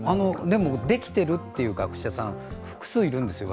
でも、できてるという学者さん、複数いるんですよ。